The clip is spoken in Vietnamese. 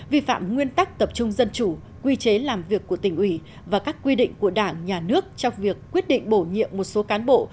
vi phạm nguyên tắc tập trung dân chủ quy chế làm việc của tỉnh ủy và các quy định của đảng nhà nước trong việc quyết định bổ nhiệm một số cán bộ